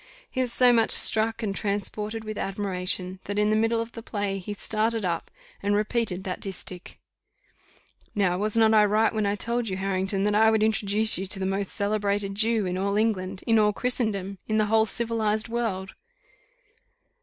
He was so much struck and transported with admiration, that in the middle of the play, he started up, and repeated that distich. "Now, was not I right when I told you, Harrington, that I would introduce you to the most celebrated Jew in all England, in all Christendom, in the whole civilized world?"